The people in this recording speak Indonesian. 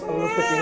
eh apaan ya